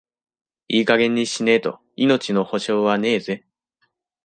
いい加減にしねえと、命の保証はねえぜ。